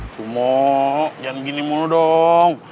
semua jangan begini mulu dong